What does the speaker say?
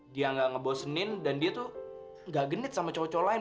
dia nggak ngebosenin dan dia tuh gak genit sama cowok cowok lain